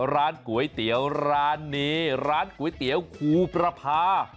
ร้านก๋วยเตี๋ยวร้านนี้ร้านก๋วยเตี๋ยวครูประพา